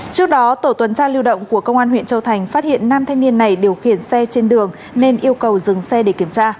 trước đó tổ tuần tra lưu động của công an huyện châu thành phát hiện nam thanh niên này điều khiển xe trên đường nên yêu cầu dừng xe để kiểm tra